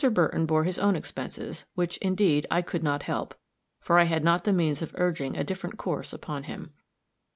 Burton bore his own expenses, which, indeed, I could not help, for I had not the means of urging a different course upon him.